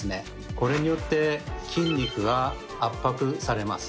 これによって筋肉が圧迫されます。